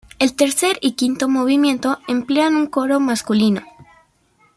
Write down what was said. El tercer y quinto movimiento emplean un coro masculino.